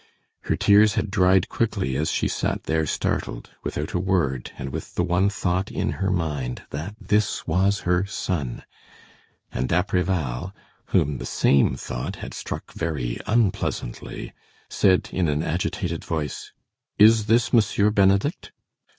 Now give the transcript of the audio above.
Her tears had dried quickly as she sat there startled, without a word and with the one thought in her mind, that this was her son, and D'Apreval, whom the same thought had struck very unpleasantly, said in an agitated voice: "Is this Monsieur Benedict?"